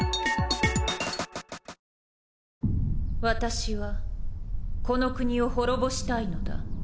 私はこの国を滅ぼしたいのだ。